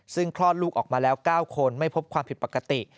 ซึ่งคลอดลูกออกมาแล้ว๙คนไม่พบความผิดปกติ